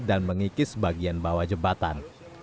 dan mengikis bagian bawah jembatan